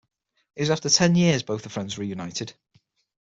It was after ten years both the friends reunited.